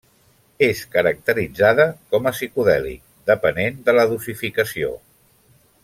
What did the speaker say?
És caracteritzada com a psicodèlic, depenent de la dosificació.